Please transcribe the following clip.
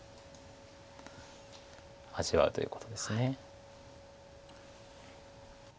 味わうということです。